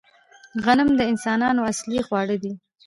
غنم د انسانانو اصلي خواړه دي